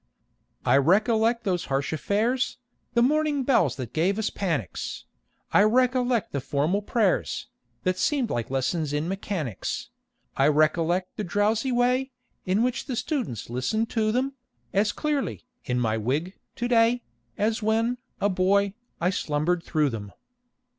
I recollect those harsh affairs, The morning bells that gave us panics; I recollect the formal prayers, That seemed like lessons in Mechanics; I recollect the drowsy way In which the students listened to them, As clearly, in my wig, to day, As when, a boy, I slumbered through them.